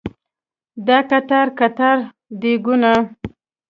دا قطار قطار دیګونه